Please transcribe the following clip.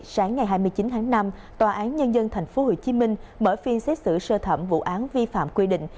sáng ngày hai mươi chín tháng năm tòa án nhân dân tp hcm mở phiên xét xử sơ thẩm vụ án vi phạm quy định